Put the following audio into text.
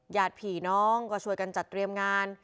ญาติผีน้องก็ช่วยกันจัดเตรียมงาน